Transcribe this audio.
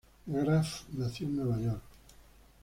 Graff nació en Nueva York.